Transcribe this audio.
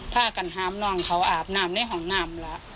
ผ้ากันฮามนองเขาอาบน้ำในห่องน้ำละ